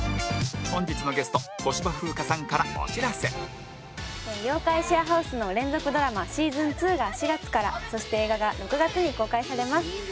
本日のゲスト『妖怪シェアハウス』の連続ドラマシーズン２が４月からそして映画が６月に公開されます。